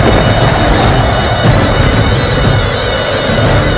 dan menghentikan raiber